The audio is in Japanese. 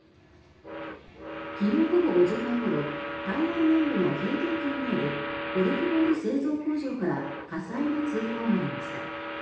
昨日午後５時半ごろ台湾南部の屏東県にあるゴルフボール製造工場から火災の通報がありました。